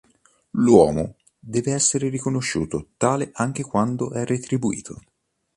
L'uomo deve essere riconosciuto tale anche quando è retribuito.